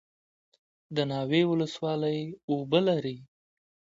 د ناوې ولسوالۍ اوبه لري